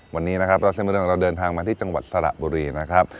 วันนี้นะครับเราเส้นเมืองของเราเดินทางมาที่จังหวัดสระบุรีนะครับ